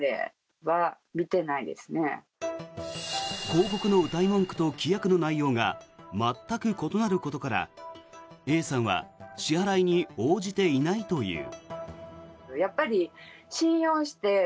広告のうたい文句と規約の内容が全く異なることからＡさんは支払いに応じていないという。